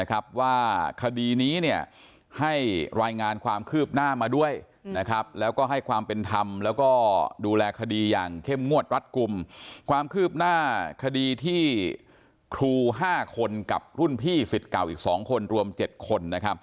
กับรุ่นพี่ศิษย์เก่าอีก๒คนรวม๗คน